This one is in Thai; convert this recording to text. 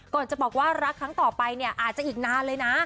จะบอกว่ารักครั้งต่อไปเนี่ยอาจจะอีกนานเลยนะ